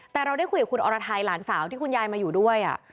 แต่เราได้คุยกับคุณอรไทยหลานสาวที่คุณยายมาอยู่ด้วย